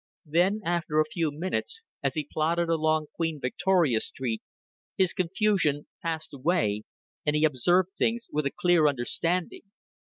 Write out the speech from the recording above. Then after a few minutes, as he plodded along Queen Victoria Street, his confusion passed away, and he observed things with a clear understanding.